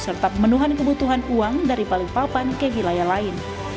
serta pemenuhan kebutuhan uang dari balikpapan ke wilayah lain